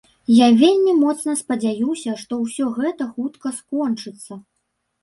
Я вельмі моцна спадзяюся, што ўсё гэта хутка скончыцца.